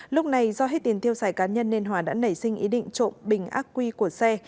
lúc này do hết tiền tiêu xài cá nhân nên hòa đã nảy sinh ý định trộm bình ác quy của xe